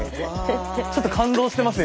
ちょっと感動してます